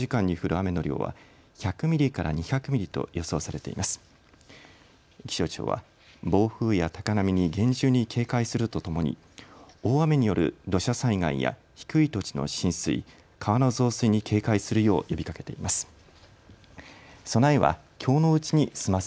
気象庁は暴風や高波に厳重に警戒するとともに大雨による土砂災害や低い土地の浸水、川の増水に警戒するよう呼びかけています。